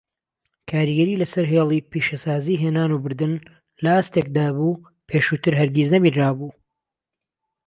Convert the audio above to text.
کاریگەری لەسەر هێڵی پیشەسازی هێنان و بردن لە ئاستێکدا بوو پێشووتر هەرگیز نەبینرابوو.